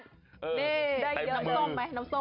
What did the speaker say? น้ำส้มไหมน้ำส้ม